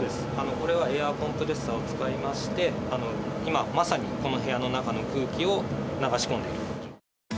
これはエアコンプレッサーを使いまして、今まさにこの部屋の中の空気を流し込んでいると。